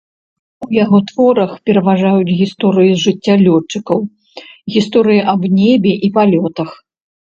У яго творах пераважаюць гісторыі з жыцця лётчыкаў, гісторыі аб небе і палётах.